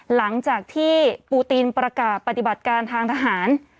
หลังจากที่ปูตินประกาศปฏิบัติการทางทหาร